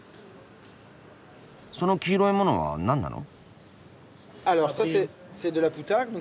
その黄色いものはなんなの？